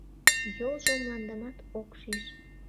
Йолжо мландымат ок шиж.